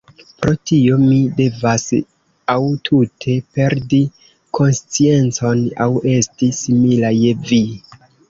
Pro tio mi devas aŭ tute perdi konsciencon, aŭ esti simila je vi.